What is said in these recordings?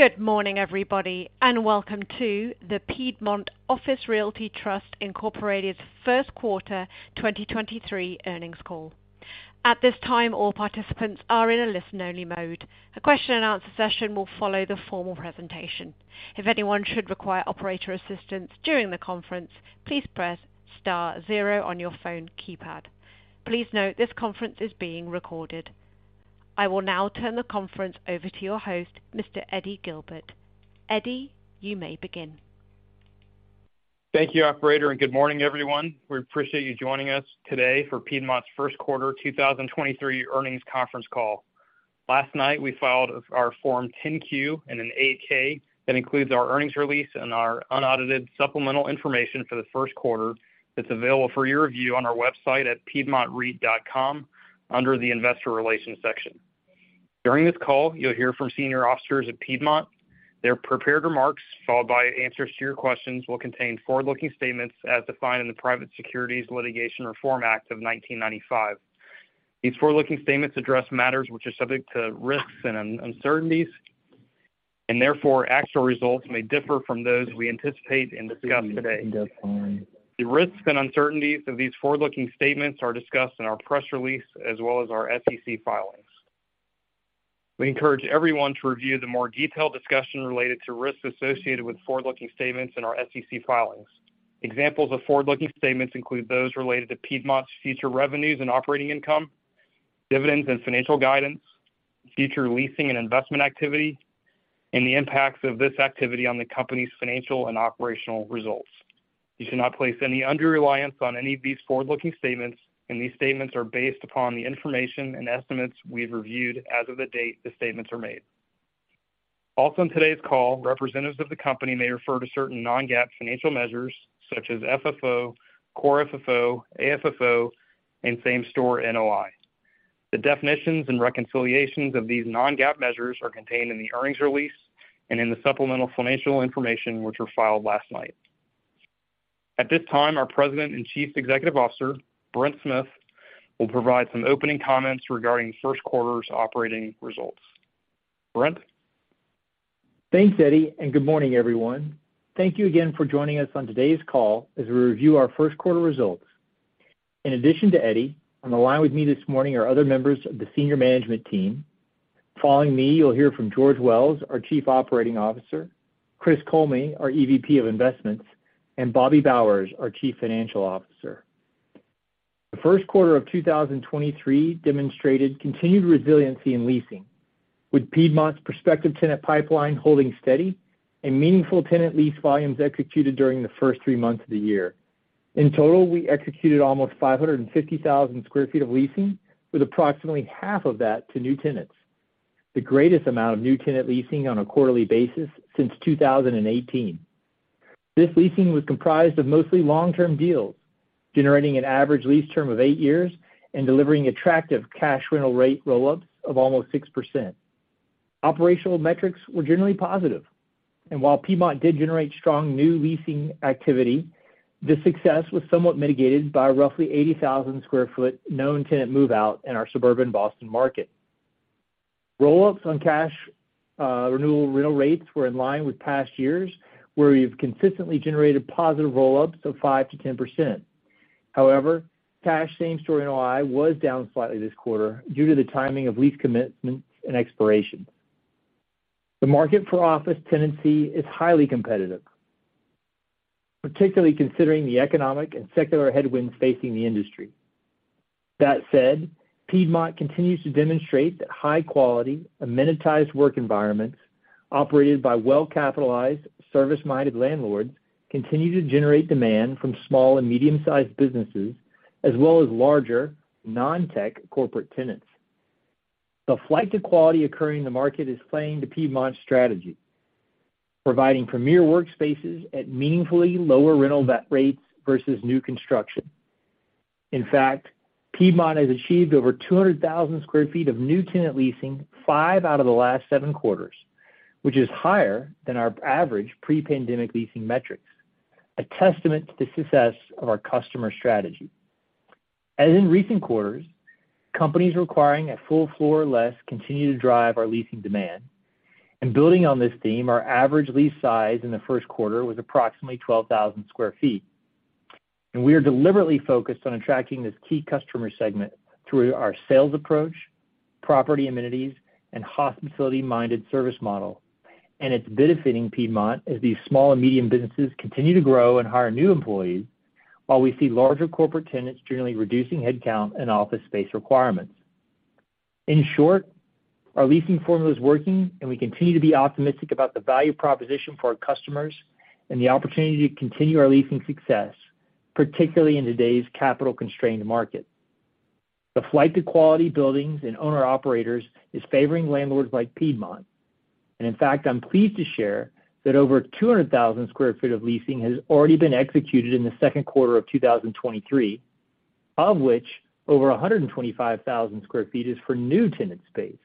Good morning, everybody, and welcome to the Piedmont Office Realty Trust, Inc.'s first quarter 2023 earnings call. At this time, all participants are in a listen-only mode. A question and answer session will follow the formal presentation. If anyone should require operator assistance during the conference, please press star 0 on your phone keypad. Please note this conference is being recorded. I will now turn the conference over to your host, Mr. Eddie Guilbert. Eddie, you may begin. Thank you, operator. Good morning, everyone. We appreciate you joining us today for Piedmont's first quarter 2023 earnings conference call. Last night, we filed our Form 10-Q and an 8-K. That includes our earnings release and our unaudited supplemental information for the first quarter that's available for your review on our website at piedmontreit.com under the Investor Relations section. During this call, you'll hear from senior officers at Piedmont. Their prepared remarks, followed by answers to your questions, will contain forward-looking statements as defined in the Private Securities Litigation Reform Act of 1995. These forward-looking statements address matters which are subject to risks and uncertainties, and therefore actual results may differ from those we anticipate and discuss today. The risks and uncertainties of these forward-looking statements are discussed in our press release as well as our SEC filings. We encourage everyone to review the more detailed discussion related to risks associated with forward-looking statements in our SEC filings. Examples of forward-looking statements include those related to Piedmont's future revenues and operating income, dividends and financial guidance, future leasing and investment activity, and the impacts of this activity on the company's financial and operational results. You should not place any under reliance on any of these forward-looking statements. These statements are based upon the information and estimates we've reviewed as of the date the statements are made. Also in today's call, representatives of the company may refer to certain non-GAAP financial measures such as FFO, Core FFO, AFFO and same-store NOI. The definitions and reconciliations of these non-GAAP measures are contained in the earnings release and in the supplemental financial information which were filed last night. At this time, our President and Chief Executive Officer, Brent Smith, will provide some opening comments regarding first quarter's operating results. Brent. Thanks, Eddie. Good morning, everyone. Thank you again for joining us on today's call as we review our first quarter results. In addition to Eddie, on the line with me this morning are other members of the senior management team. Following me, you'll hear from George Wells, our Chief Operating Officer, Chris Kollme, our EVP of Investments, and Bobby Bowers, our Chief Financial Officer. The first quarter of 2023 demonstrated continued resiliency in leasing, with Piedmont's prospective tenant pipeline holding steady and meaningful tenant lease volumes executed during the first three months of the year. In total, we executed almost 550,000 sq ft of leasing, with approximately half of that to new tenants, the greatest amount of new tenant leasing on a quarterly basis since 2018. This leasing was comprised of mostly long-term deals, generating an average lease term of 8 years and delivering attractive cash rental rate roll-ups of almost 6%. Operational metrics were generally positive, and while Piedmont did generate strong new leasing activity, the success was somewhat mitigated by roughly 80,000 sq ft known tenant move-out in our suburban Boston market. Roll-ups on cash renewal rental rates were in line with past years, where we've consistently generated positive roll-ups of 5%-10%. However, cash same-store NOI was down slightly this quarter due to the timing of lease commitments and expirations. The market for office tenancy is highly competitive, particularly considering the economic and secular headwinds facing the industry. Piedmont continues to demonstrate that high quality, amenitized work environments operated by well-capitalized, service-minded landlords continue to generate demand from small and medium-sized businesses as well as larger non-tech corporate tenants. The flight to quality occurring in the market is playing to Piedmont's strategy, providing premier workspaces at meaningfully lower rental rates versus new construction. Piedmont has achieved over 200,000 sq ft of new tenant leasing 5 out of the last 7 quarters, which is higher than our average pre-pandemic leasing metrics, a testament to the success of our customer strategy. Building on this theme, our average lease size in the first quarter was approximately 12,000 sq ft. We are deliberately focused on attracting this key customer segment through our sales approach, property amenities, and hospitality-minded service model. It's benefiting Piedmont as these small and medium businesses continue to grow and hire new employees, while we see larger corporate tenants generally reducing headcount and office space requirements. In short, our leasing formula is working, and we continue to be optimistic about the value proposition for our customers and the opportunity to continue our leasing success, particularly in today's capital-constrained market. The flight to quality buildings and owner-operators is favoring landlords like Piedmont. In fact, I'm pleased to share that over 200,000 sq ft of leasing has already been executed in the second quarter of 2023, of which over 125,000 sq ft is for new tenant space,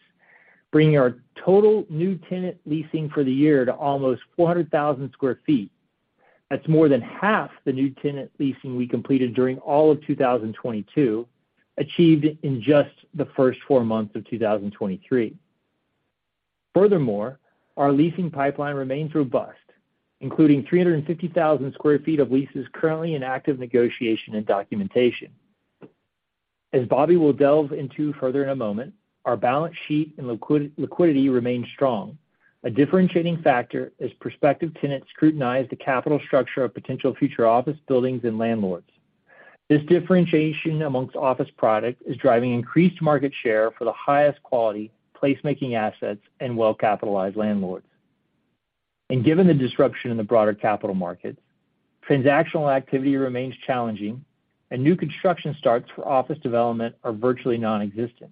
bringing our total new tenant leasing for the year to almost 400,000 sq ft. That's more than half the new tenant leasing we completed during all of 2022, achieved in just the first four months of 2023. Our leasing pipeline remains robust, including 350,000 sq ft of leases currently in active negotiation and documentation. As Bobby will delve into further in a moment, our balance sheet and liquidity remains strong. A differentiating factor as prospective tenants scrutinize the capital structure of potential future office buildings and landlords. This differentiation amongst office product is driving increased market share for the highest quality placemaking assets and well-capitalized landlords. Given the disruption in the broader capital markets, transactional activity remains challenging and new construction starts for office development are virtually nonexistent.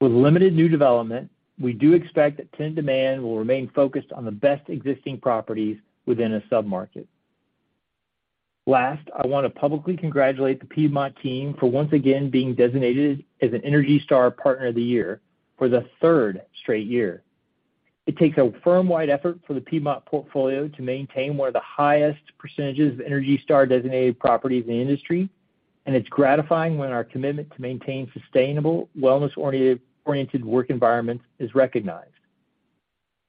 With limited new development, we do expect that tenant demand will remain focused on the best existing properties within a submarket. Last, I want to publicly congratulate the Piedmont team for once again being designated as an ENERGY STAR Partner of the Year for the third straight year. It takes a firm-wide effort for the Piedmont portfolio to maintain one of the highest percentages of ENERGY STAR designated properties in the industry, and it's gratifying when our commitment to maintain sustainable, wellness-oriented work environments is recognized.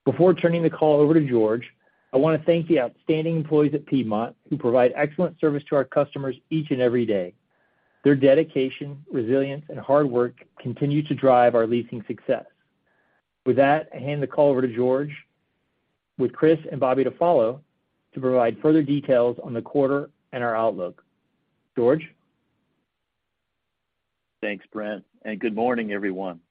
Before turning the call over to George, I want to thank the outstanding employees at Piedmont who provide excellent service to our customers each and every day. Their dedication, resilience, and hard work continue to drive our leasing success. With that, I hand the call over to George, with Chris and Bobby to follow to provide further details on the quarter and our outlook. George? Thanks, Brent. Good morning, everyone.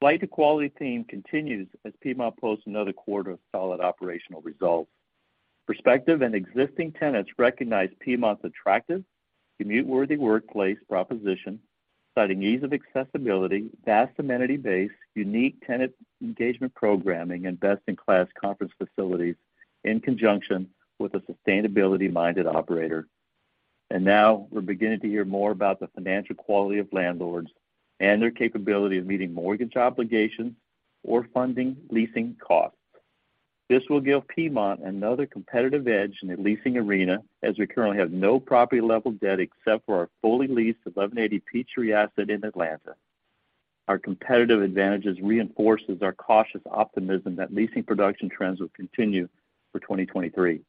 Flight to quality theme continues as Piedmont posts another quarter of solid operational results. Prospective and existing tenants recognize Piedmont's attractive commute-worthy workplace proposition, citing ease of accessibility, vast amenity base, unique tenant engagement programming, and best-in-class conference facilities in conjunction with a sustainability-minded operator. Now we're beginning to hear more about the financial quality of landlords and their capability of meeting mortgage obligations or funding leasing costs. This will give Piedmont another competitive edge in the leasing arena, as we currently have no property level debt except for our fully leased Eleven Eighty Peachtree asset in Atlanta. Our competitive advantages reinforces our cautious optimism that leasing production trends will continue for 2023.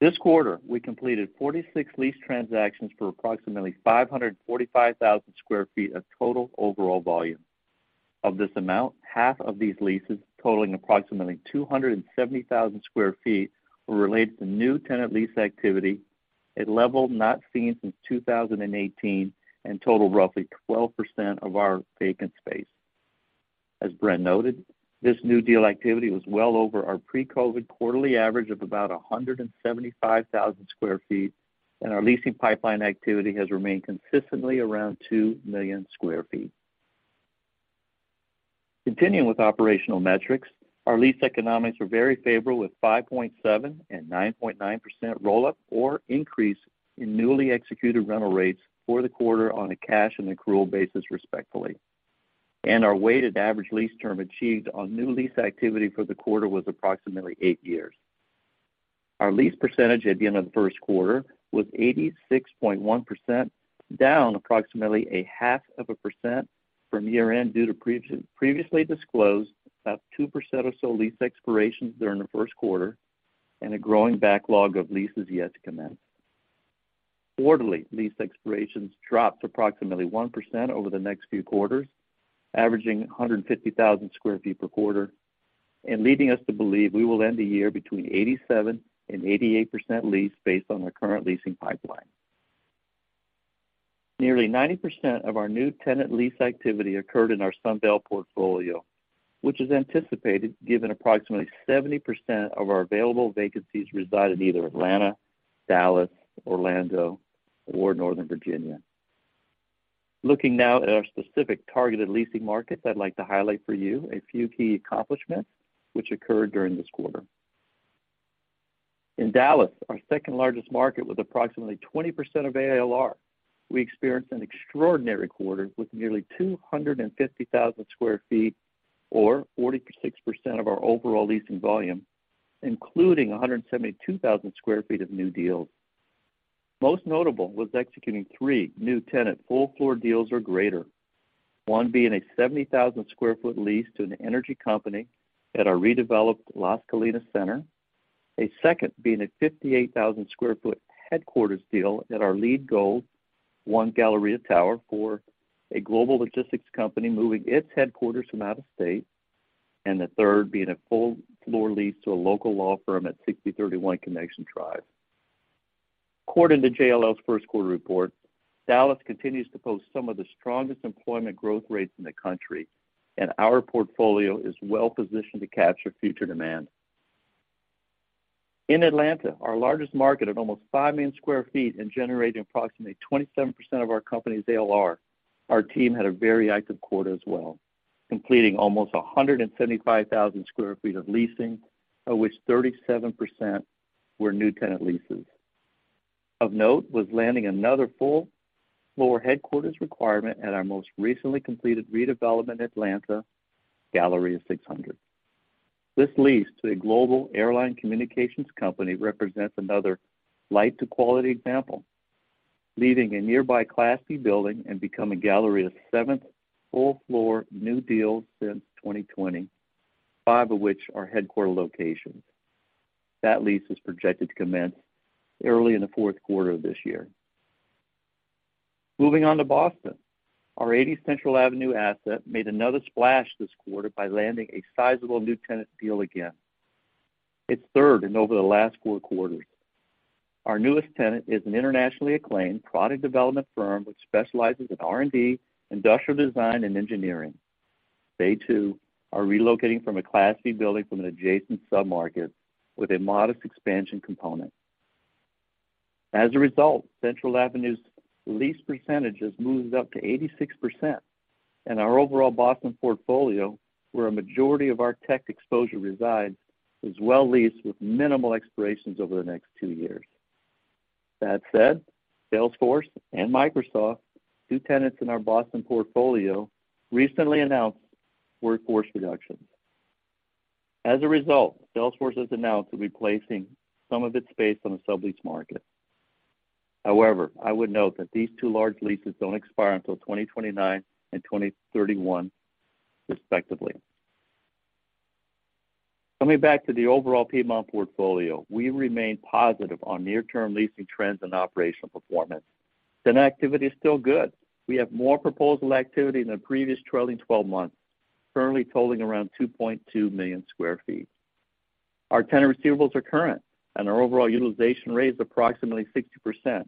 This quarter, we completed 46 lease transactions for approximately 545,000 sq ft of total overall volume. Of this amount, half of these leases totaling approximately 270,000 sq ft were related to new tenant lease activity, a level not seen since 2018 and total roughly 12% of our vacant space. As Brent noted, this new deal activity was well over our pre-COVID quarterly average of about 175,000 sq ft, and our leasing pipeline activity has remained consistently around 2 million sq ft. Continuing with operational metrics, our lease economics were very favorable with 5.7% and 9.9% roll-up or increase in newly executed rental rates for the quarter on a cash and accrual basis, respectively. Our weighted average lease term achieved on new lease activity for the quarter was approximately eight years. Our lease percentage at the end of the first quarter was 86.1%, down approximately a half of a percent from year-end due to previously disclosed about 2% or so lease expirations during the first quarter and a growing backlog of leases yet to commence. Quarterly lease expirations dropped approximately 1% over the next few quarters, averaging 150,000 sq ft per quarter and leading us to believe we will end the year between 87% and 88% lease based on our current leasing pipeline. Nearly 90% of our new tenant lease activity occurred in our Sunbelt portfolio, which is anticipated given approximately 70% of our available vacancies reside in either Atlanta, Dallas, Orlando, or Northern Virginia. Looking now at our specific targeted leasing markets, I'd like to highlight for you a few key accomplishments which occurred during this quarter. In Dallas, our second-largest market with approximately 20% of ALR, we experienced an extraordinary quarter with nearly 250,000 sq ft or 46% of our overall leasing volume, including 172,000 sq ft of new deals. Most notable was executing three new tenant full floor deals or greater, one being a 70,000 sq ft lease to an energy company at our redeveloped Las Colinas Center. A second being a 58,000 sq ft headquarters deal at our LEED Gold One Galleria Tower for a global logistics company moving its headquarters from out of state. The third being a full floor lease to a local law firm at 6031 Connection Drive. According to JLL's first quarter report, Dallas continues to post some of the strongest employment growth rates in the country, and our portfolio is well positioned to capture future demand. In Atlanta, our largest market of almost 5 million sq ft and generating approximately 27% of our company's ALR, our team had a very active quarter as well, completing almost 175,000 sq ft of leasing, of which 37% were new tenant leases. Of note was landing another full floor headquarters requirement at our most recently completed redevelopment Atlanta Galleria 600. This lease to a global airline communications company represents another light to quality example, leaving a nearby Class B building and becoming Galleria's 7th full-floor new deal since 2020, 5 of which are headquarter locations. That lease is projected to commence early in the fourth quarter of this year. Moving on to Boston. Our 80 Central Street asset made another splash this quarter by landing a sizable new tenant deal again, its third in over the last 4 quarters. Our newest tenant is an internationally acclaimed product development firm which specializes in R&D, industrial design, and engineering. They, too, are relocating from a Class B building from an adjacent sub-market with a modest expansion component. Central Street's lease percentage has moved up to 86%. Our overall Boston portfolio, where a majority of our tech exposure resides, is well-leased with minimal expirations over the next two years. That said, Salesforce and Microsoft, 2 tenants in our Boston portfolio, recently announced workforce reductions. Salesforce has announced it'll be placing some of its space on the sublease market. However, I would note that these 2 large leases don't expire until 2029 and 2031 respectively. Coming back to the overall Piedmont portfolio, we remain positive on near-term leasing trends and operational performance. Tenant activity is still good. We have more proposal activity than previous trailing twelve months, currently totaling around 2.2 million sq ft. Our tenant receivables are current, and our overall utilization rate is approximately 60%,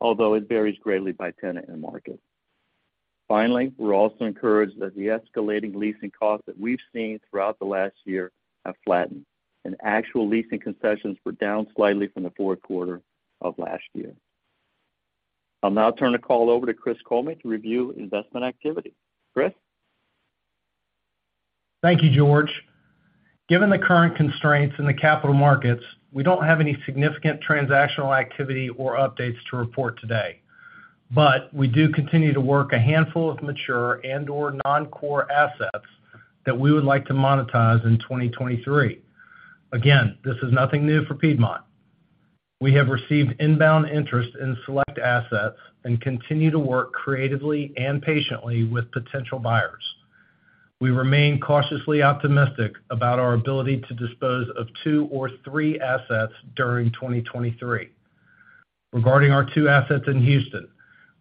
although it varies greatly by tenant and market. Finally, we're also encouraged that the escalating leasing costs that we've seen throughout the last year have flattened, and actual leasing concessions were down slightly from the fourth quarter of last year. I'll now turn the call over to Chris Kollme to review investment activity. Chris. Thank you, George. Given the current constraints in the capital markets, we don't have any significant transactional activity or updates to report today, but we do continue to work a handful of mature and/or non-core assets that we would like to monetize in 2023. Again, this is nothing new for Piedmont. We have received inbound interest in select assets and continue to work creatively and patiently with potential buyers. We remain cautiously optimistic about our ability to dispose of two or three assets during 2023. Regarding our two assets in Houston,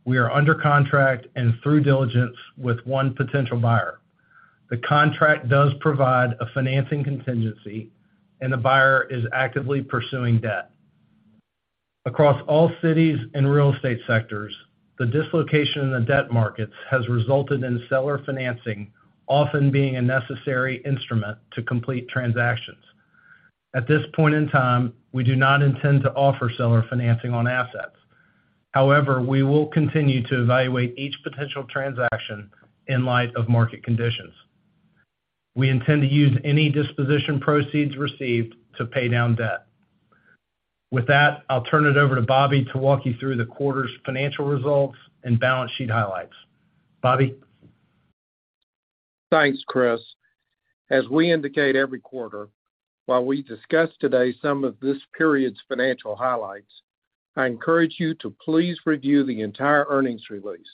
we are under contract and through diligence with one potential buyer. The contract does provide a financing contingency, and the buyer is actively pursuing debt. Across all cities and real estate sectors, the dislocation in the debt markets has resulted in seller financing often being a necessary instrument to complete transactions. At this point in time, we do not intend to offer seller financing on assets. However, we will continue to evaluate each potential transaction in light of market conditions. We intend to use any disposition proceeds received to pay down debt. With that, I'll turn it over to Bobby to walk you through the quarter's financial results and balance sheet highlights. Bobby. Thanks, Chris. As we indicate every quarter, while we discuss today some of this period's financial highlights, I encourage you to please review the entire earnings release,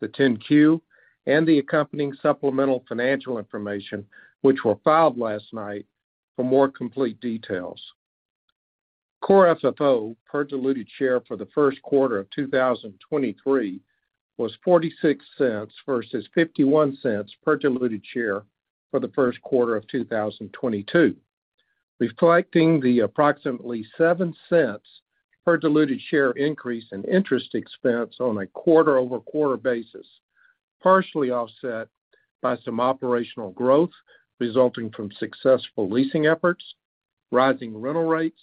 the Form 10-Q, and the accompanying supplemental financial information, which were filed last night, for more complete details. Core FFO per diluted share for the first quarter of 2023 was $0.46 versus $0.51 per diluted share for the first quarter of 2022, reflecting the approximately $0.07 per diluted share increase in interest expense on a quarter-over-quarter basis, partially offset by some operational growth resulting from successful leasing efforts, rising rental rates,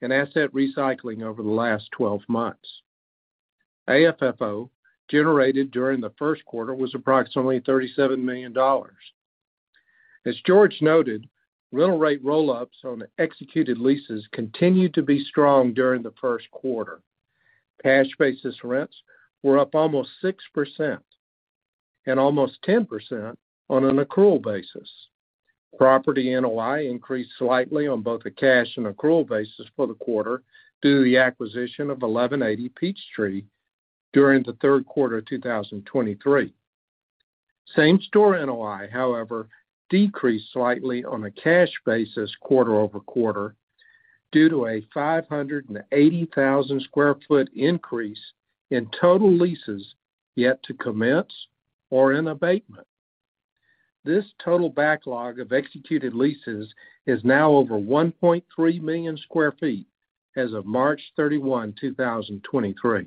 and asset recycling over the last 12 months. AFFO generated during the first quarter was approximately $37 million. As George noted, rental rate roll-ups on executed leases continued to be strong during the first quarter. Cash basis rents were up almost 6% and almost 10% on an accrual basis. Property NOI increased slightly on both a cash and accrual basis for the quarter due to the acquisition of 1180 Peachtree during the 3rd quarter of 2023. Same-store NOI, however, decreased slightly on a cash basis quarter-over-quarter due to a 580,000 sq ft increase in total leases yet to commence or in abatement. This total backlog of executed leases is now over 1.3 million sq ft as of March 31, 2023.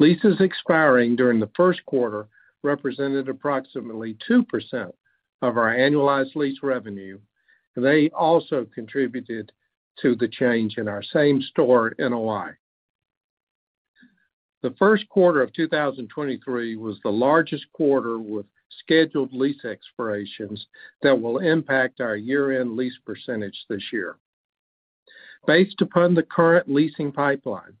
Leases expiring during the 1st quarter represented approximately 2% of our annualized lease revenue. They also contributed to the change in our same-store NOI. The 1st quarter of 2023 was the largest quarter with scheduled lease expirations that will impact our year-end lease percentage this year. Based upon the current leasing pipeline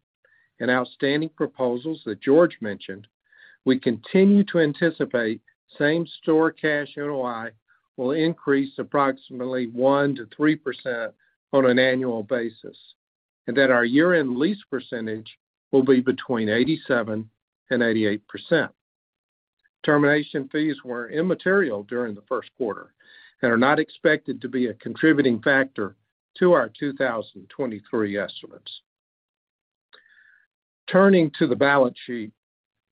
and outstanding proposals that George mentioned, we continue to anticipate same-store cash NOI will increase approximately 1%-3% on an annual basis, and that our year-end lease percentage will be between 87%-88%. Termination fees were immaterial during the first quarter and are not expected to be a contributing factor to our 2023 estimates. Turning to the balance sheet.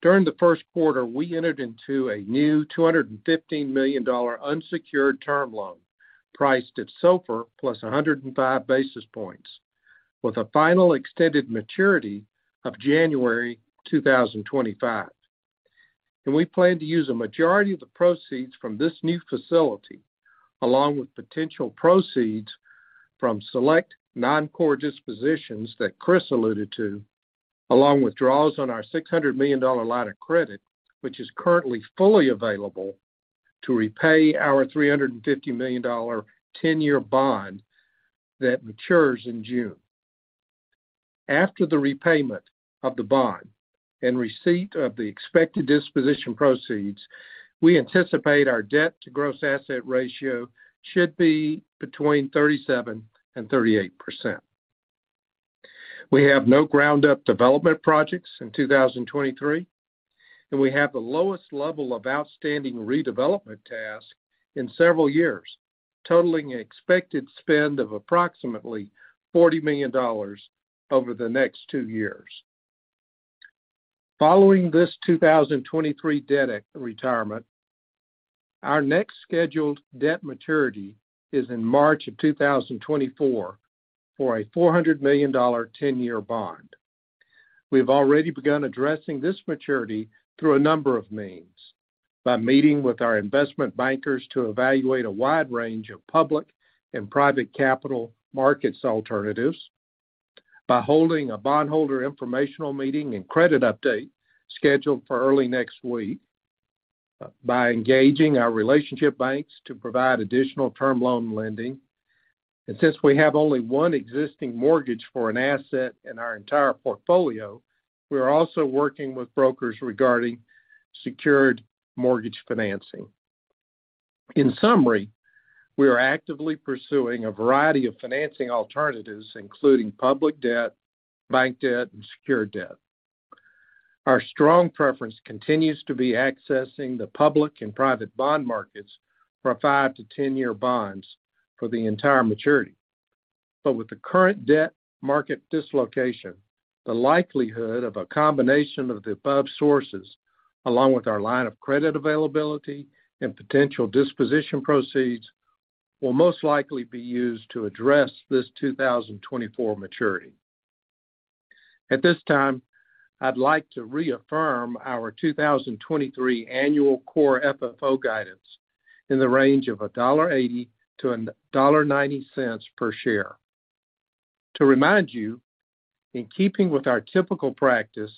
During the first quarter, we entered into a new $215 million unsecured term loan, priced at SOFR + 105 basis points, with a final extended maturity of January 2025. We plan to use a majority of the proceeds from this new facility, along with potential proceeds from select non-core dispositions that Chris alluded to, along with draws on our $600 million line of credit, which is currently fully available to repay our $350 million 10-year bond that matures in June. After the repayment of the bond and receipt of the expected disposition proceeds, we anticipate our debt to gross asset ratio should be between 37%-38%. We have no ground-up development projects in 2023, and we have the lowest level of outstanding redevelopment tasks in several years, totaling expected spend of approximately $40 million over the next two years. Following this 2023 debt retirement, our next scheduled debt maturity is in March 2024 for a $400 million 10-year bond. We've already begun addressing this maturity through a number of means. By meeting with our investment bankers to evaluate a wide range of public and private capital markets alternatives, by holding a bondholder informational meeting and credit update scheduled for early next week, by engaging our relationship banks to provide additional term loan lending. Since we have only one existing mortgage for an asset in our entire portfolio, we are also working with brokers regarding secured mortgage financing. In summary, we are actively pursuing a variety of financing alternatives, including public debt, bank debt, and secured debt. Our strong preference continues to be accessing the public and private bond markets for 5-10-year bonds for the entire maturity. With the current debt market dislocation, the likelihood of a combination of the above sources, along with our line of credit availability and potential disposition proceeds, will most likely be used to address this 2024 maturity. At this time, I'd like to reaffirm our 2023 annual Core FFO guidance in the range of $1.80-$1.90 per share. To remind you, in keeping with our typical practice,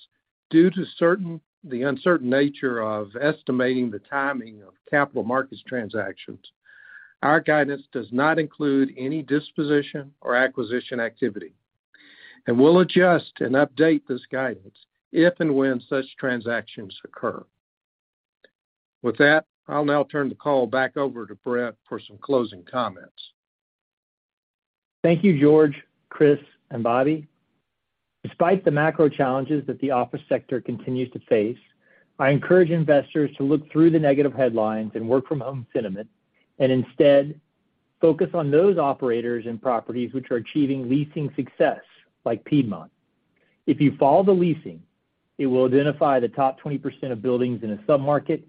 due to the uncertain nature of estimating the timing of capital markets transactions, our guidance does not include any disposition or acquisition activity, and we'll adjust and update this guidance if and when such transactions occur. That, I'll now turn the call back over to Brent for some closing comments. Thank you, George, Chris, and Bobby. Despite the macro challenges that the office sector continues to face, I encourage investors to look through the negative headlines and work from home sentiment and instead focus on those operators and properties which are achieving leasing success, like Piedmont. If you follow the leasing, it will identify the top 20% of buildings in a sub-market,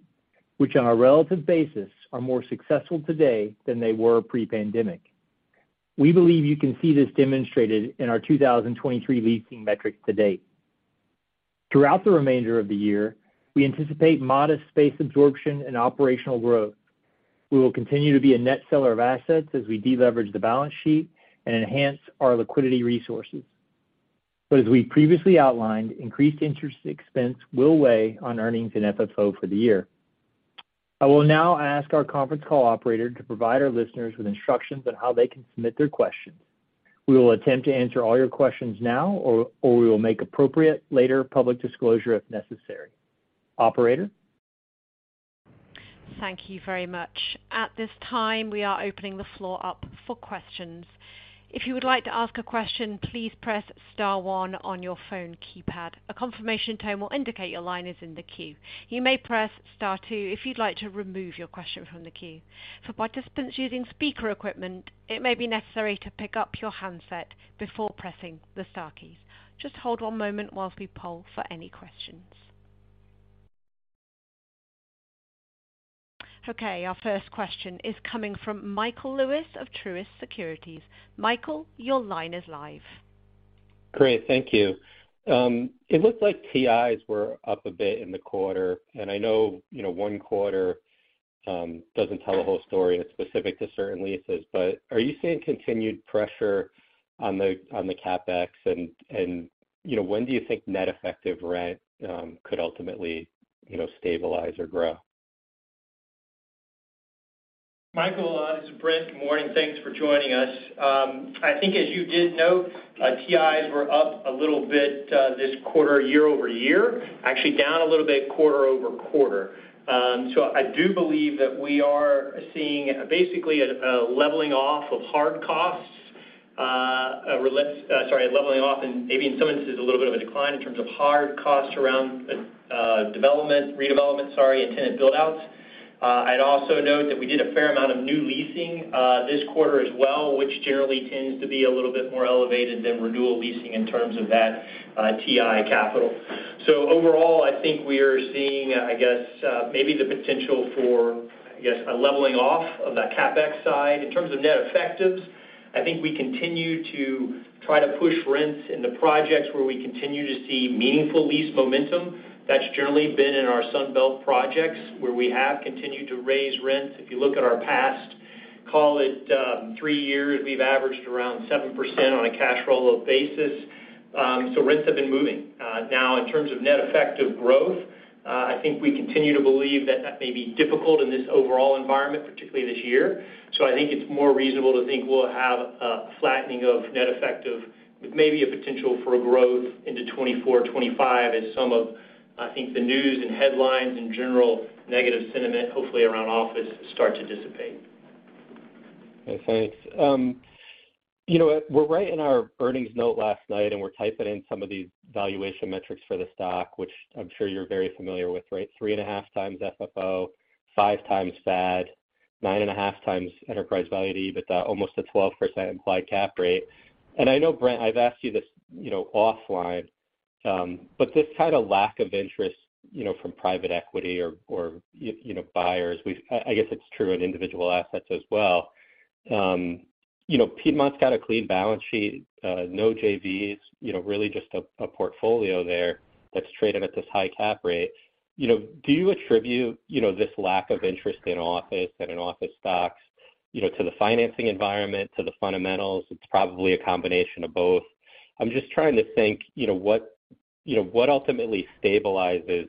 which on a relative basis are more successful today than they were pre-pandemic. We believe you can see this demonstrated in our 2023 leasing metrics to date. Throughout the remainder of the year, we anticipate modest space absorption and operational growth. We will continue to be a net seller of assets as we deleverage the balance sheet and enhance our liquidity resources. As we previously outlined, increased interest expense will weigh on earnings and FFO for the year. I will now ask our conference call operator to provide our listeners with instructions on how they can submit their questions. We will attempt to answer all your questions now, or we will make appropriate later public disclosure if necessary. Operator? Thank you very much. At this time, we are opening the floor up for questions. If you would like to ask a question, please press star one on your phone keypad. A confirmation tone will indicate your line is in the queue. You may press star two if you'd like to remove your question from the queue. For participants using speaker equipment, it may be necessary to pick up your handset before pressing the star keys. Just hold one moment whilst we poll for any questions. Okay. Our first question is coming from Michael Lewis of Truist Securities. Michael, your line is live. Great. Thank you. It looked like TIs were up a bit in the quarter. I know, you know, 1 quarter doesn't tell the whole story. It's specific to certain leases. Are you seeing continued pressure on the CapEx? You know, when do you think net effective rent could ultimately, you know, stabilize or grow? Michael, this is Brent. Good morning. Thanks for joining us. I think as you did note, TIs were up a little bit this quarter year-over-year, actually down a little bit quarter-over-quarter. I do believe that we are seeing basically a leveling off of hard costs, sorry, leveling off and maybe in some instances, a little bit of a decline in terms of hard costs around redevelopment, sorry, and tenant build-outs. I'd also note that we did a fair amount of new leasing this quarter as well, which generally tends to be a little bit more elevated than renewal leasing in terms of that TI capital. Overall, I think we are seeing, I guess, maybe the potential for, I guess, a leveling off of that CapEx side. In terms of net effectives, I think we continue to try to push rents in the projects where we continue to see meaningful lease momentum. That's generally been in our Sun Belt projects, where we have continued to raise rent. If you look at our past, call it, three years, we've averaged around 7% on a cash roll-up basis, so rents have been moving. Now, in terms of net effective growth, I think we continue to believe that that may be difficult in this overall environment, particularly this year. I think it's more reasonable to think we'll have a flattening of net effective with maybe a potential for a growth into 2024, 2025 as some of, I think, the news and headlines and general negative sentiment, hopefully around office, start to dissipate. Okay, thanks. You know, we're writing our earnings note last night and we're typing in some of these valuation metrics for the stock, which I'm sure you're very familiar with, right? Three and a half times FFO, 5 times FAD, nine and a half times enterprise value to EBITDA, almost a 12% implied cap rate. I know, Brent, I've asked you this, you know, offline, but this kind of lack of interest, you know, from private equity or you know, buyers, I guess it's true in individual assets as well. You know, Piedmont's got a clean balance sheet, no JVs, you know, really just a portfolio there that's traded at this high cap rate. You know, do you attribute, you know, this lack of interest in office and in office stocks, you know, to the financing environment, to the fundamentals? It's probably a combination of both. I'm just trying to think, you know, what, you know, what ultimately stabilizes,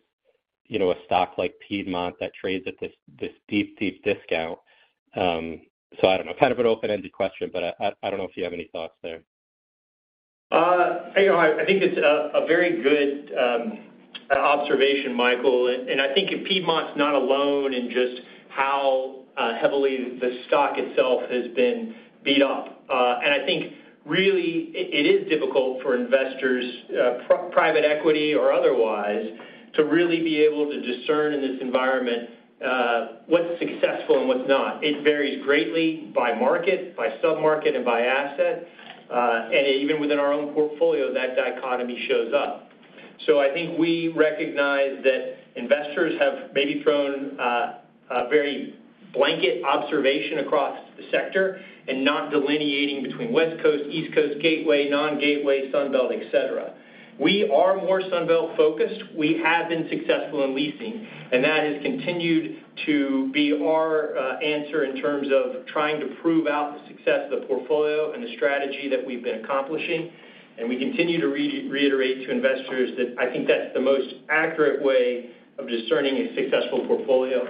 you know, a stock like Piedmont that trades at this deep, deep discount? I don't know, kind of an open-ended question, but I don't know if you have any thoughts there. you know, I think it's a very good observation, Michael. I think Piedmont's not alone in just how heavily the stock itself has been beat up. I think really it is difficult for investors, private equity or otherwise, to really be able to discern in this environment, what's successful and what's not. It varies greatly by market, by sub-market, and by asset. Even within our own portfolio, that dichotomy shows up. I think we recognize that investors have maybe thrown a very blanket observation across the sector and not delineating between West Coast, East Coast, gateway, non-gateway, Sun Belt, et cetera. We are more Sun Belt focused. We have been successful in leasing, and that has continued to be our answer in terms of trying to prove out the success of the portfolio and the strategy that we've been accomplishing. We continue to reiterate to investors that I think that's the most accurate way of discerning a successful portfolio.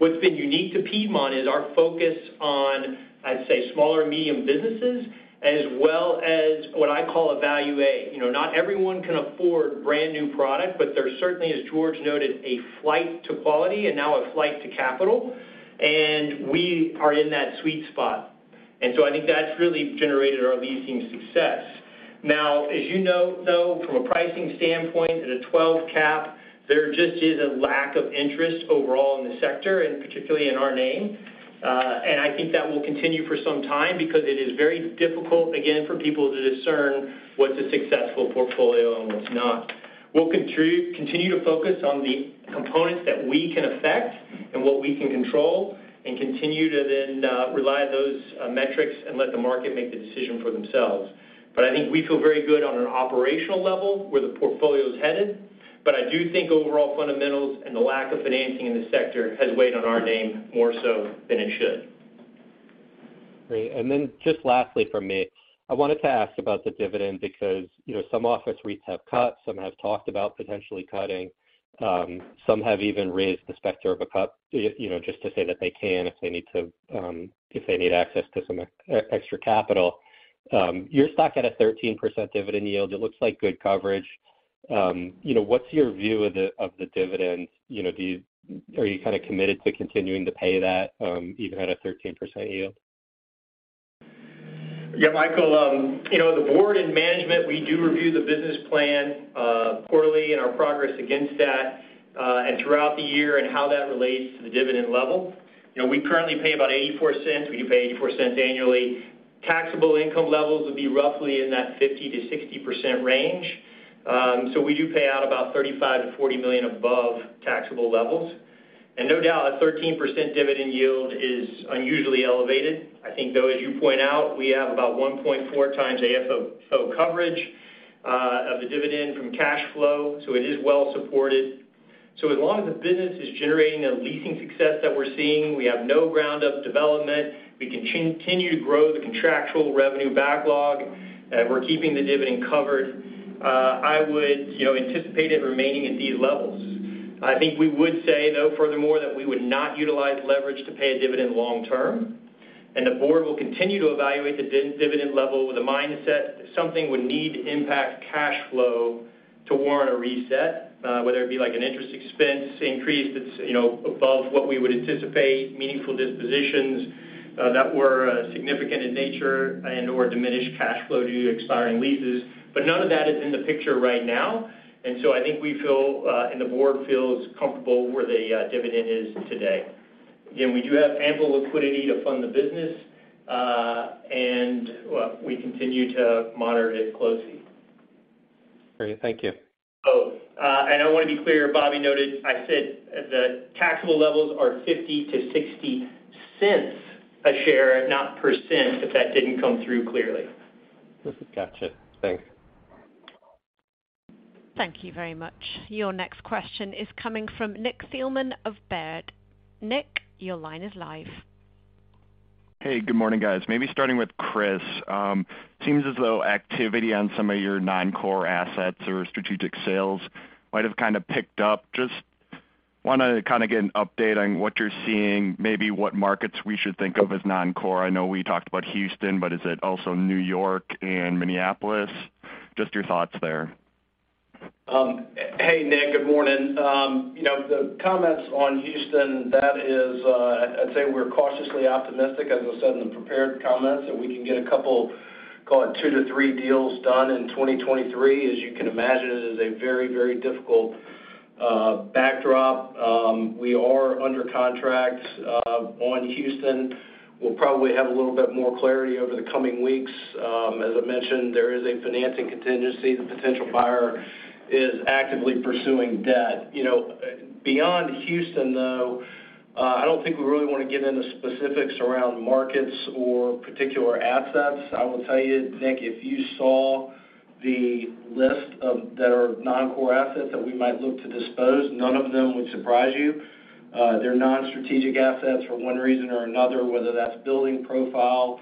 What's been unique to Piedmont is our focus on, I'd say, small or medium businesses, as well as what I call a value A. You know, not everyone can afford brand-new product, but there's certainly, as George noted, a flight to quality and now a flight to capital, and we are in that sweet spot. I think that's really generated our leasing success. As you know, though, from a pricing standpoint, at a 12 cap, there just is a lack of interest overall in the sector, and particularly in our name. I think that will continue for some time because it is very difficult, again, for people to discern what's a successful portfolio and what's not. We'll continue to focus on the components that we can affect and what we can control and continue to then rely those metrics and let the market make the decision for themselves. I think we feel very good on an operational level where the portfolio is headed, but I do think overall fundamentals and the lack of financing in this sector has weighed on our name more so than it should. Great. Just lastly from me, I wanted to ask about the dividend because, you know, some office REITs have cut, some have talked about potentially cutting, some have even raised the specter of a cut, you know, just to say that they can if they need to, if they need access to some extra capital. Your stock had a 13% dividend yield. It looks like good coverage. You know, what's your view of the, of the dividend? You know, Are you kind of committed to continuing to pay that, even at a 13% yield? Yeah, Michael, you know, the board and management, we do review the business plan, quarterly and our progress against that, and throughout the year and how that relates to the dividend level. You know, we currently pay about $0.84. We do pay $0.84 annually. Taxable income levels would be roughly in that 50%-60% range. We do pay out about $35 million-$40 million above taxable levels. No doubt, a 13% dividend yield is unusually elevated. I think, though, as you point out, we have about 1.4 times AFFO coverage of the dividend from cash flow, it is well supported. As long as the business is generating the leasing success that we're seeing, we have no ground up development, we continue to grow the contractual revenue backlog, and we're keeping the dividend covered, I would, you know, anticipate it remaining at these levels. I think we would say, though, furthermore, that we would not utilize leverage to pay a dividend long term, and the board will continue to evaluate the dividend level with a mindset something would need to impact cash flow to warrant a reset, whether it be like an interest expense increase that's, you know, above what we would anticipate, meaningful dispositions, that were significant in nature and/or diminished cash flow due to expiring leases. None of that is in the picture right now, and so I think we feel, and the board feels comfortable where the dividend is today. Again, we do have ample liquidity to fund the business, and we continue to monitor it closely. Great. Thank you. I want to be clear, Bobby noted, I said the taxable levels are $0.50-$0.60 a share, not %, if that didn't come through clearly. Yes, we've got it. Thanks. Thank you very much. Your next question is coming from Nick Hillman of Baird. Nick, your line is live. Hey, good morning, guys. Maybe starting with Chris. Seems as though activity on some of your non-core assets or strategic sales might have kind of picked up. Just wanna kind of get an update on what you're seeing, maybe what markets we should think of as non-core. I know we talked about Houston, but is it also New York and Minneapolis? Just your thoughts there. Hey, Nick. Good morning. You know, the comments on Houston, that is, I'd say we're cautiously optimistic, as I said in the prepared comments, that we can get a couple, call it 2 to 3 deals done in 2023. As you can imagine, it is a very difficult backdrop. We are under contract on Houston. We'll probably have a little bit more clarity over the coming weeks. As I mentioned, there is a financing contingency. The potential buyer is actively pursuing debt. You know, beyond Houston, though, I don't think we really want to get into specifics around markets or particular assets. I will tell you, Nick, if you saw the list of that are noncore assets that we might look to dispose, none of them would surprise you. They're non-strategic assets for one reason or another, whether that's building profile,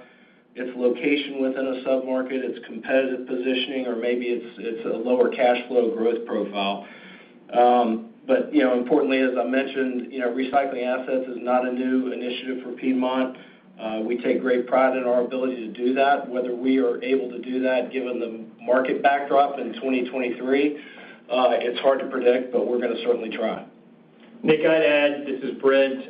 it's location within a submarket, it's competitive positioning, or maybe it's a lower cash flow growth profile. You know, importantly, as I mentioned, you know, recycling assets is not a new initiative for Piedmont. We take great pride in our ability to do that, whether we are able to do that given the market backdrop in 2023, it's hard to predict, but we're gonna certainly try. Nick, I'd add, this is Brent.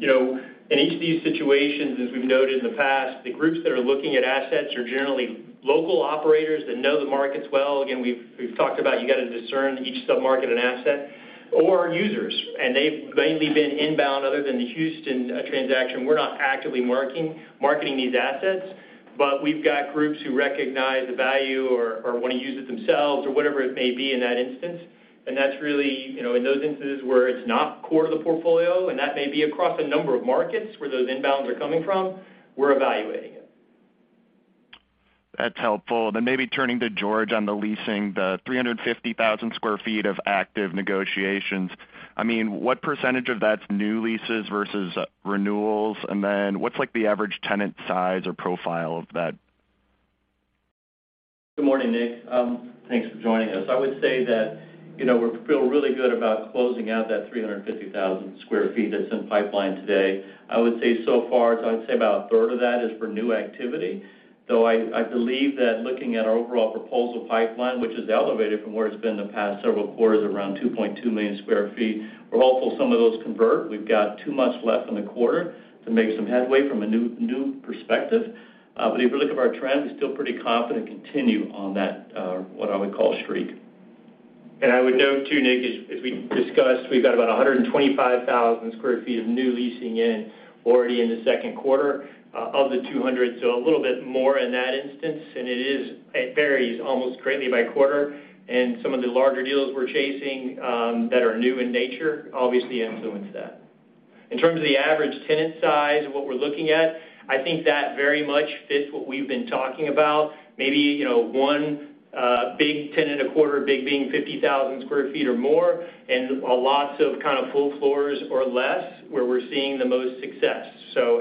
You know, in each of these situations, as we've noted in the past, the groups that are looking at assets are generally local operators that know the markets well. We've talked about you got to discern each submarket and asset or users, and they've mainly been inbound other than the Houston transaction. We're not actively marketing these assets, but we've got groups who recognize the value or want to use it themselves or whatever it may be in that instance. That's really, you know, in those instances where it's not core to the portfolio, and that may be across a number of markets where those inbounds are coming from, we're evaluating it. That's helpful. Maybe turning to George on the leasing, the 350,000 sq ft of active negotiations. I mean, what % of that's new leases versus renewals? What's like the average tenant size or profile of that? Good morning, Nick. Thanks for joining us. I would say that, you know, we feel really good about closing out that 350,000 sq ft that's in pipeline today. I would say so far, I'd say about a third of that is for new activity. I believe that looking at our overall proposal pipeline, which is elevated from where it's been the past several quarters, around 2.2 million sq ft, we're hopeful some of those convert. We've got two months left in the quarter to make some headway from a new perspective. If you look at our trends, we're still pretty confident to continue on that, what I would call streak. I would note, too, Nick, as we discussed, we've got about 125,000 sq ft of new leasing in already in the second quarter, of the 200, so a little bit more in that instance. It varies almost greatly by quarter. Some of the larger deals we're chasing, that are new in nature obviously influence that. In terms of the average tenant size and what we're looking at, I think that very much fits what we've been talking about. Maybe, you know, one big tenant a quarter, big being 50,000 sq ft or more, and a lots of kind of full floors or less where we're seeing the most success.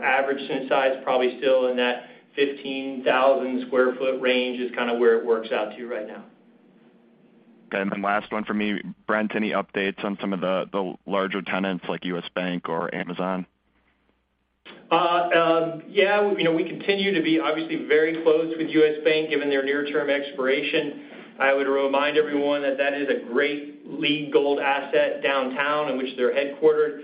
Average tenant size probably still in that 15,000 sq ft range is kind of where it works out to right now. Last one for me. Brent, any updates on some of the larger tenants like U.S. Bank or Amazon? You know, we continue to be obviously very close with U.S. Bank given their near-term expiration. I would remind everyone that that is a great LEED Gold asset downtown in which they're headquartered,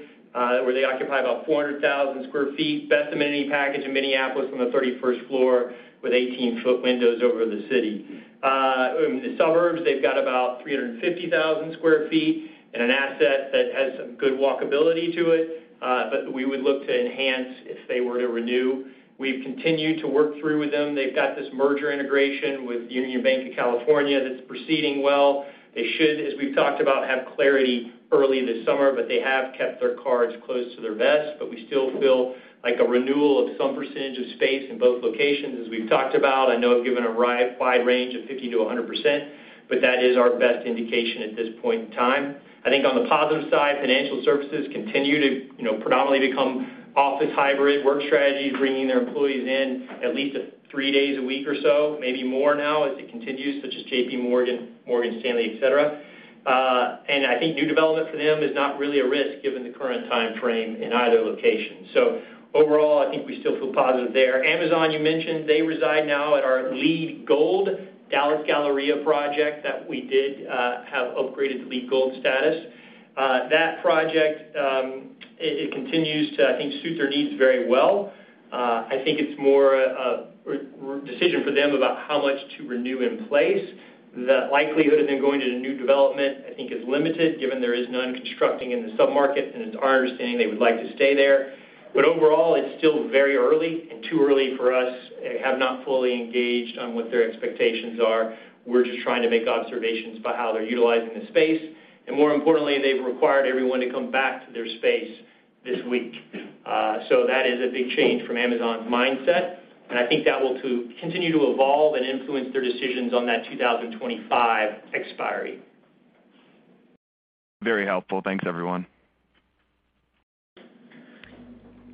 where they occupy about 400,000 sq ft, best amenity package in Minneapolis on the 31st floor with 18-foot windows over the city. In the suburbs, they've got about 350,000 sq ft in an asset that has some good walkability to it, we would look to enhance if they were to renew. We've continued to work through with them. They've got this merger integration with Union Bank of California that's proceeding well. They should, as we've talked about, have clarity early this summer, they have kept their cards close to their vest. We still feel like a renewal of some percentage of space in both locations, as we've talked about. I know I've given a wide range of 50%-100%, that is our best indication at this point in time. I think on the positive side, financial services continue to, you know, predominantly become office hybrid work strategy, bringing their employees in at least three days a week or so, maybe more now as it continues, such as JP Morgan Stanley, et cetera. I think new development for them is not really a risk given the current time frame in either location. Overall, I think we still feel positive there. Amazon, you mentioned they reside now at our LEED Gold Dallas Galleria project that we did have upgraded to LEED Gold status. That project, it continues to, I think, suit their needs very well. I think it's more a decision for them about how much to renew in place. The likelihood of them going to the new development, I think is limited given there is none constructing in the sub-market, and it's our understanding they would like to stay there. Overall, it's still very early and too early for us. Have not fully engaged on what their expectations are. We're just trying to make observations about how they're utilizing the space. More importantly, they've required everyone to come back to their space this week. That is a big change from Amazon's mindset, and I think that will continue to evolve and influence their decisions on that 2025 expiry. Very helpful. Thanks, everyone.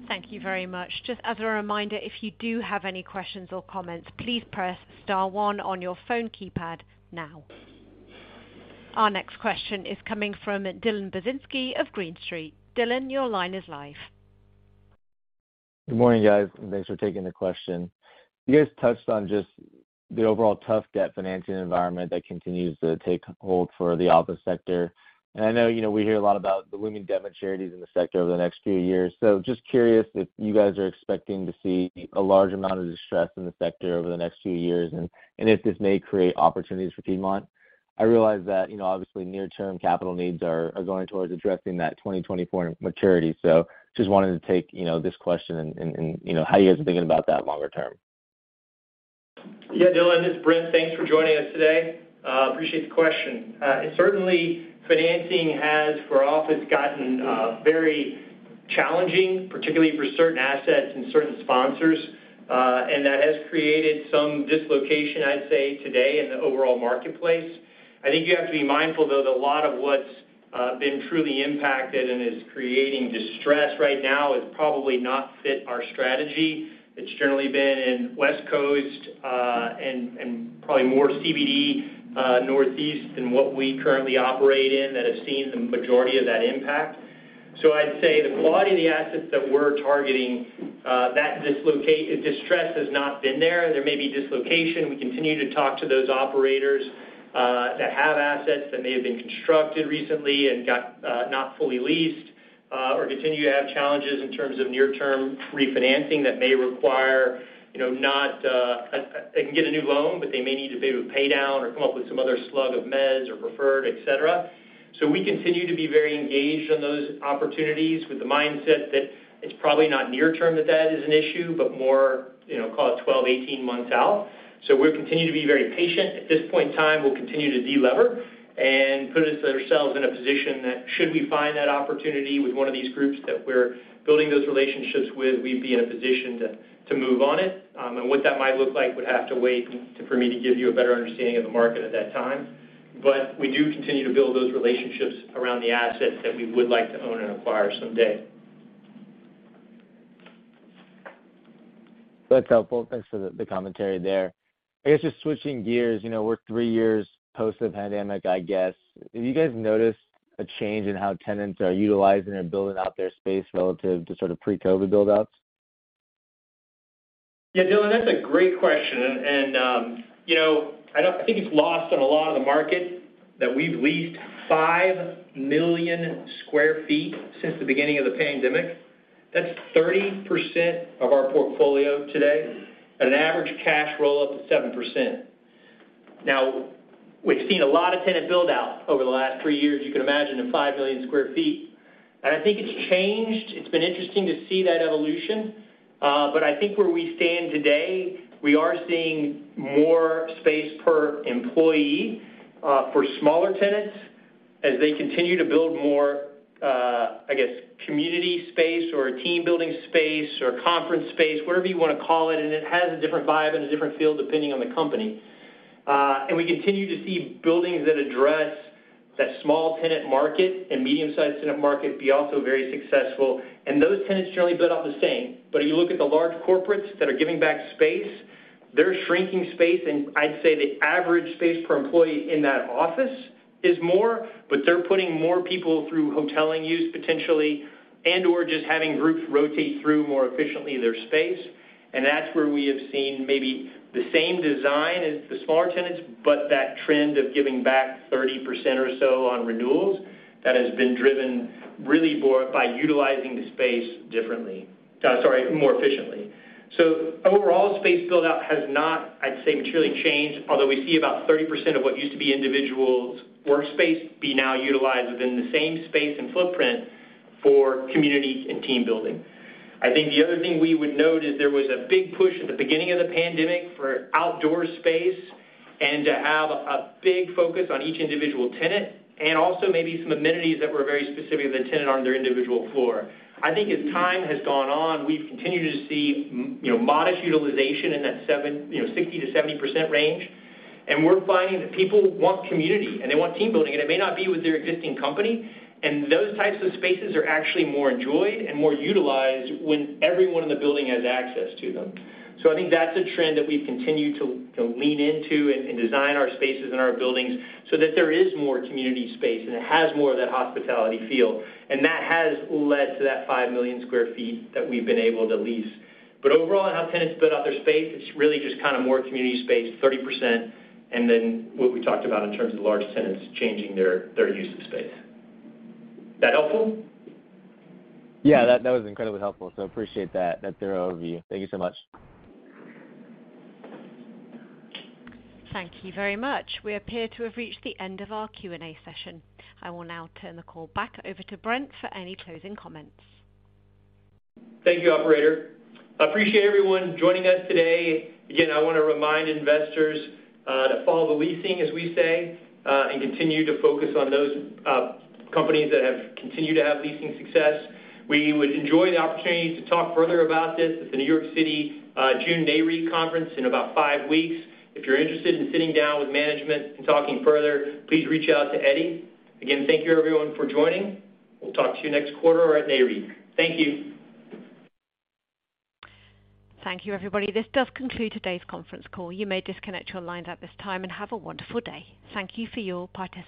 Thank you very much. Just as a reminder, if you do have any questions or comments, please press star one on your phone keypad now. Our next question is coming from Dylan Burzinski of Green Street. Dylan, your line is live. Good morning, guys. Thanks for taking the question. You guys touched on just the overall tough debt financing environment that continues to take hold for the office sector. I know, you know, we hear a lot about the looming debt maturities in the sector over the next few years. Just curious if you guys are expecting to see a large amount of distress in the sector over the next few years and if this may create opportunities for Piedmont. I realize that, you know, obviously near-term capital needs are going towards addressing that 2024 maturity. Just wanted to take, you know, this question and, you know, how you guys are thinking about that longer term. Dylan, this is Brent. Thanks for joining us today. Appreciate the question. Certainly financing has for office gotten very challenging, particularly for certain assets and certain sponsors. That has created some dislocation, I'd say, today in the overall marketplace. I think you have to be mindful, though, that a lot of what's been truly impacted and is creating distress right now is probably not fit our strategy. It's generally been in West Coast and probably more CBD Northeast than what we currently operate in that have seen the majority of that impact. I'd say the quality of the assets that we're targeting, that distress has not been there. There may be dislocation. We continue to talk to those operators that have assets that may have been constructed recently and got not fully leased or continue to have challenges in terms of near-term refinancing that may require, you know, not. They can get a new loan, but they may need to be able to pay down or come up with some other slug of mezz or preferred, etc. We continue to be very engaged on those opportunities with the mindset that it's probably not near-term that that is an issue, but more, you know, call it 12, 18 months out. We'll continue to be very patient. At this point in time we'll continue to de-lever and put ourselves in a position that should we find that opportunity with one of these groups that we're building those relationships with, we'd be in a position to move on it. What that might look like would have to wait for me to give you a better understanding of the market at that time. We do continue to build those relationships around the assets that we would like to own and acquire someday. That's helpful. Thanks for the commentary there. I guess just switching gears, you know, we're three years post the pandemic, I guess. Have you guys noticed a change in how tenants are utilizing and building out their space relative to sort of pre-COVID buildouts? Yeah, Dylan, that's a great question. You know, I don't think it's lost on a lot of the market that we've leased 5 million sq ft since the beginning of the pandemic. That's 30% of our portfolio today at an average cash roll up to 7%. We've seen a lot of tenant build out over the last three years, you can imagine in 5 million sq ft. I think it's changed. It's been interesting to see that evolution. I think where we stand today, we are seeing more space per employee for smaller tenants as they continue to build more, I guess community space or team building space or conference space, whatever you wanna call it, and it has a different vibe and a different feel depending on the company. We continue to see buildings that address that small tenant market and medium-sized tenant market be also very successful. Those tenants generally build out the same. You look at the large corporates that are giving back space, they're shrinking space, and I'd say the average space per employee in that office is more, but they're putting more people through hoteling use potentially and/or just having groups rotate through more efficiently their space. That's where we have seen maybe the same design as the smaller tenants, but that trend of giving back 30% or so on renewals, that has been driven really more by utilizing the space differently. Sorry, more efficiently. Overall space build out has not, I'd say, materially changed, although we see about 30% of what used to be individuals' workspace be now utilized within the same space and footprint for community and team building. The other thing we would note is there was a big push at the beginning of the pandemic for outdoor space and to have a big focus on each individual tenant and also maybe some amenities that were very specific to the tenant on their individual floor. As time has gone on, we've continued to see, you know, modest utilization in that, you know, 60%-70% range. We're finding that people want community and they want team building, and it may not be with their existing company. Those types of spaces are actually more enjoyed and more utilized when everyone in the building has access to them. I think that's a trend that we've continued to lean into and design our spaces and our buildings so that there is more community space and it has more of that hospitality feel. That has led to that 5 million sq ft that we've been able to lease. Overall, how tenants build out their space, it's really just kind of more community space, 30%, and then what we talked about in terms of large tenants changing their use of space. Is that helpful? Yeah, that was incredibly helpful. Appreciate that thorough overview. Thank you so much. Thank you very much. We appear to have reached the end of our Q&A session. I will now turn the call back over to Brent for any closing comments. Thank you, operator. Appreciate everyone joining us today. Again, I want to remind investors to follow the leasing, as we say, and continue to focus on those companies that have continued to have leasing success. We would enjoy the opportunity to talk further about this at the New York City June NAREIT conference in about 5 weeks. If you're interested in sitting down with management and talking further, please reach out to Eddie. Again, thank you everyone for joining. We'll talk to you next quarter or at NAREIT. Thank you. Thank you, everybody. This does conclude today's conference call. You may disconnect your lines at this time and have a wonderful day. Thank you for your participation.